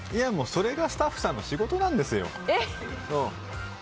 それがスタッフさんの仕事なんですよ。